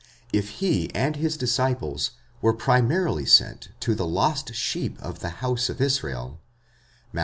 If he and his disciples were primarily sent to the Jost sheep of the house of Israel (Matt.